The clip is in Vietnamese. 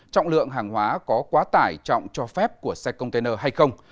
trọng lượng hàng hóa có quá tải trọng cho phép của xe container hay không